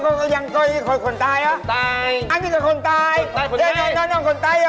มันมีคนช่วยสนุกมากเลย